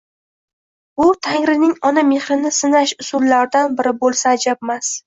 Bu- tangrining ona mehrini sinash usullaridan biri bo’lsa ajabmas.